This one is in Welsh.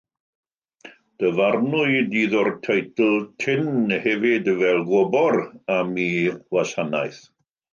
Dyfarnwyd iddo'r teitl Tun hefyd fel gwobr am ei wasanaeth.